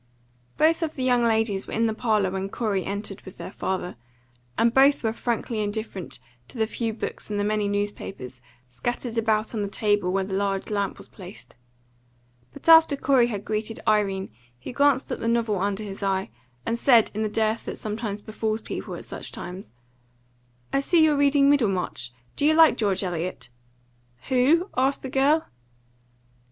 Both of the young ladies were in the parlour when Corey entered with their father, and both were frankly indifferent to the few books and the many newspapers scattered about on the table where the large lamp was placed. But after Corey had greeted Irene he glanced at the novel under his eye, and said, in the dearth that sometimes befalls people at such times: "I see you're reading Middlemarch. Do you like George Eliot?" "Who?" asked the girl.